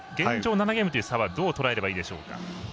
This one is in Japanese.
７ゲームという差はどうとらえればいいでしょうか。